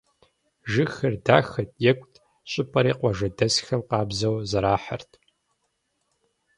Жыгхэр дахэт, екӏут, щӏыпӏэри къуажэдэсхэм къабзэу зэрахьэрт.